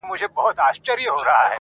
• آس هم د ننګ وي هم د جنګ وي -